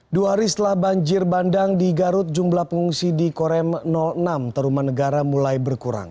dua hari setelah banjir bandang di garut jumlah pengungsi di korem enam taruman negara mulai berkurang